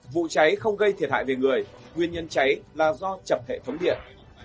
vụ cháy không gây thiệt hại về người nguyên nhân cháy là do chập hệ thống điện